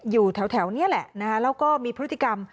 อยู่แถวนี้แหละนะคะแล้วก็มีพฤติกรรม